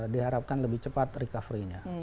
diharapkan lebih cepat recovery nya